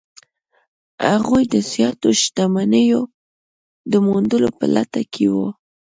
هغوی د زیاتو شتمنیو د موندلو په لټه کې وو.